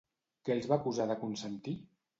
Què els va acusar de consentir?